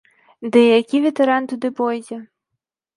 Ды і які ветэран туды пойдзе?!